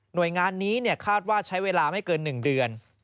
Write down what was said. โดยงานนี้คาดว่าใช้เวลาไม่เกิน๑เดือน